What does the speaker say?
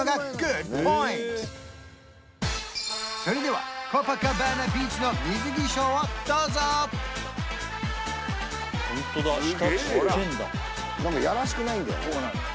それではコパカバーナビーチのホントだ下ちっちぇえんだ何かやらしくないんだよね